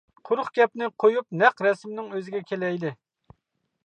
قۇرۇق گەپنى قويۇپ نەق رەسىمنىڭ ئۆزىگە كېلەيلى.